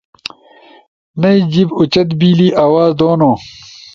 نئی جیِب اُوچت بیلی، آواز دونو